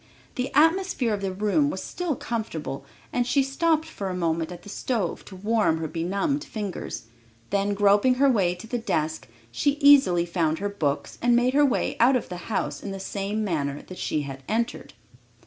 The atmosphere of the room was still comfortable and she stopped for a moment at the stove to warm her benumbed fingers, then groping her way to her desk, she easily found her books and made her way out of the house in the same manner that she had entered.